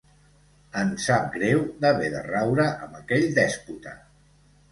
Em sap greu d'haver de raure amb aquell dèspota.